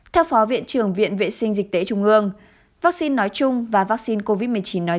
theo phó viện trưởng viện vệ sinh dịch tễ trung ương vắc xin nói chung và vắc xin covid một mươi chín nói